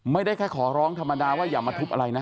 ไม่ได้แค่ขอร้องธรรมดาว่าอย่ามาทุบอะไรนะ